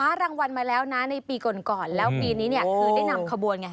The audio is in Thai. รางวัลมาแล้วนะในปีก่อนก่อนแล้วปีนี้เนี่ยคือได้นำขบวนไง